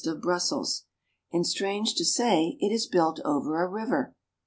of Brussels, and strange to say it is built over a river.